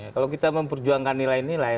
kalau kita memperjuangkan nilai nilai